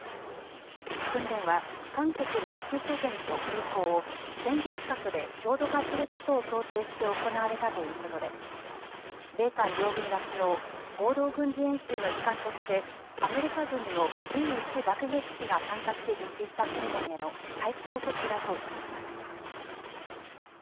訓練は韓国の指揮拠点と空港を戦術核で焦土化することを想定して行われたということで、米韓両軍がきのう、合同軍事演習の一環として、アメリカ軍のＢ１爆撃機が参加して実施した訓練への対抗措置だとしています。